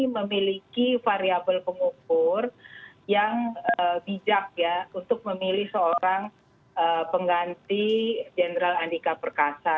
memiliki variable pengukur yang bijak ya untuk memilih seorang pengganti jenderal andika perkasa